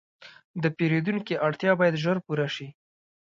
د پیرودونکي اړتیا باید ژر پوره شي.